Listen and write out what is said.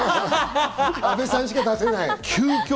阿部さんにしか出せない。